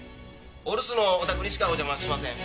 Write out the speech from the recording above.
お留守のお宅にしかお邪魔しません。